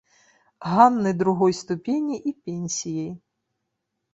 Ганны другой ступені і пенсіяй.